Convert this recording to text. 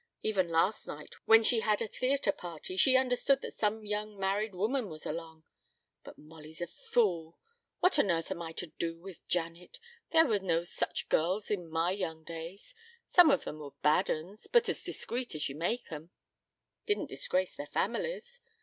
Even last night, when she had a theatre party, she understood that some young married woman was along. But Molly's a fool. What on earth am I to do with Janet? There were no such girls in my young days. Some of them were bad uns, but as discreet as you make 'em. Didn't disgrace their families.